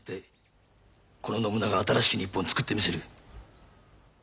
この信長新しき日本つくってみせる。